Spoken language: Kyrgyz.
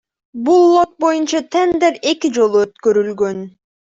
Бул лот боюнча тендер эки жолу өткөрүлгөн.